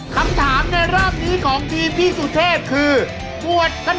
คำถามในรอบนี้ของทีมพี่สุเทพคือปวดถนน